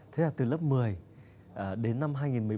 thế là từ lớp một mươi đến năm hai nghìn một mươi bốn